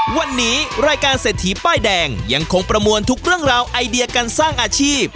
วันนี้รายการเศรษฐีป้ายแดงยังคงประมวลทุกเรื่องราวไอเดียการสร้างอาชีพ